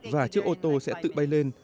và chiếc ô tô sẽ tự bay lên